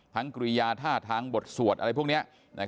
ทั้งกรียาท่าทั้งบทสวดอะไรพวกนี้